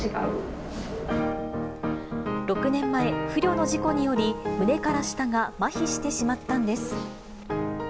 ６年前、不慮の事故により、胸から下がまひしてしまったんです。